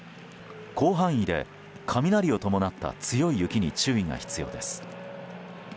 広範囲で、雷を伴った強い雪に注意が必要です。